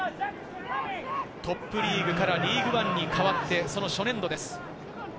トップリーグからリーグワンに変わって、その初年度です。